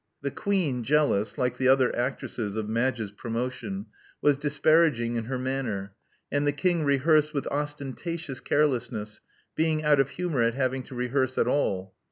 The queen, jealous, like the Love Among the Artists 153 other actresses, of Madge's promotion, was disparag ing in her manner; and the king rehearsed with osten tatious carelessness, being out of humor at having to rehearse at all.